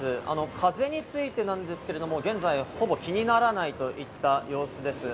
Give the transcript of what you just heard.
風についてなんですけれども、現在ほぼ気にならないといった様子です。